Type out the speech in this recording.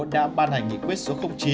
đã ban hành nghị quyết số chín